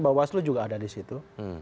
bahwa seluruh juga ada di situ